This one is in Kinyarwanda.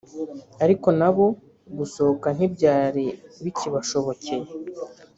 ariko nabo gusohoka ntibyari bikibashobokeye